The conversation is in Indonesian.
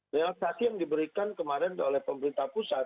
relaksasi yang diberikan kemarin oleh pemerintah pusat